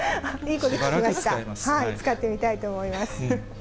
使ってみたいと思います。